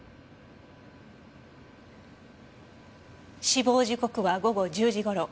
死亡時刻は午後１０時頃。